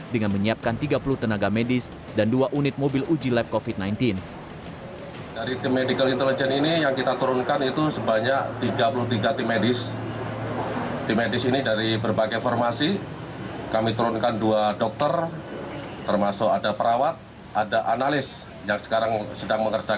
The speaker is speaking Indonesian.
dengan menyiapkan tiga puluh tenaga medis dan dua unit mobil uji lab covid sembilan belas